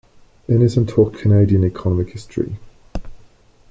Innis and taught Canadian economic history.